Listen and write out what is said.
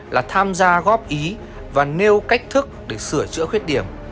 là tham gia góp ý và nêu cách thức để sửa chữa khuyết điểm